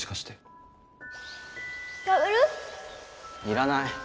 要らない。